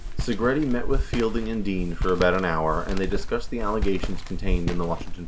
60 Segretti met with Fielding and Dean for about an hour, and they discussed the allegations contained in the Washington Post article.